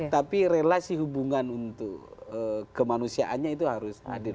tapi relasi hubungan untuk kemanusiaannya itu harus adil